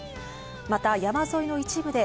また山沿いの一部で